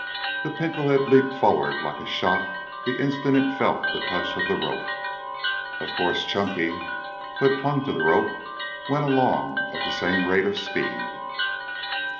The pinto had leaped forward like a shot the instant it felt the touch of the rope. Of course Chunky, who had clung to the rope, went along at the same rate of speed.